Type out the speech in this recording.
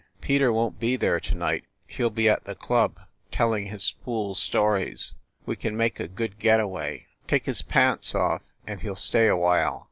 "Peter won t be there to night; he ll be at the club, telling his fool stories. ... We can make a good get away ... take his pants off, and he ll stay awhile.